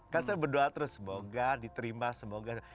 kan saya berdoa terus semoga diterima semoga